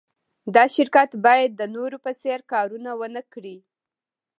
دا شرکت باید د نورو په څېر کارونه و نهکړي